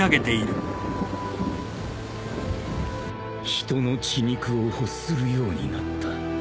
［人の血肉を欲するようになった］